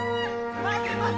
待て待て！